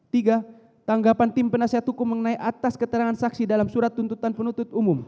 tiga tanggapan tim penasihat hukum mengenai atas keterangan saksi dalam surat tuntutan penuntut umum